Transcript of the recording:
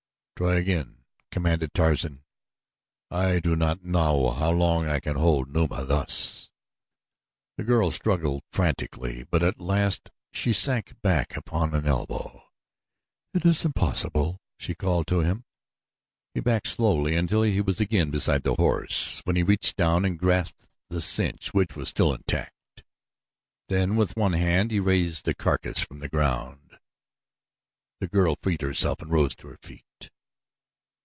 "Try again," commanded Tarzan. "I do not know how long I can hold Numa thus." The girl struggled frantically; but at last she sank back upon an elbow. "It is impossible," she called to him. He backed slowly until he was again beside the horse, when he reached down and grasped the cinch, which was still intact. Then with one hand he raised the carcass from the ground. The girl freed herself and rose to her feet.